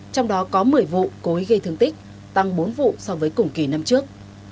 trong đó có một mươi vụ cố ý gây thương tích tăng bốn vụ so với cùng kỳ năm trước